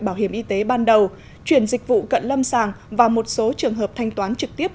bảo hiểm y tế ban đầu chuyển dịch vụ cận lâm sàng và một số trường hợp thanh toán trực tiếp